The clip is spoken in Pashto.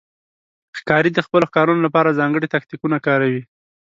ښکاري د خپلو ښکارونو لپاره ځانګړي تاکتیکونه کاروي.